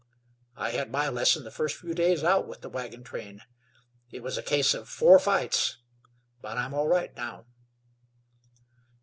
I had my lesson the first few days out with that wagon train. It was a case of four fights; but I'm all right now."